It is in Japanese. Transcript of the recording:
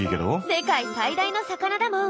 世界最大の魚だもん。